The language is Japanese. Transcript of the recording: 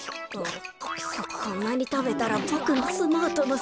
こんなにたべたらボクのスマートなスタイルが。